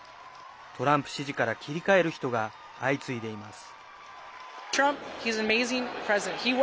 トランプ支持から切り替える人が相次いでいます。